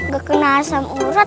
gak kena asam urat